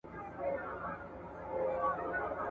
بڼوال د مړاوو پاڼو لامل لټوي.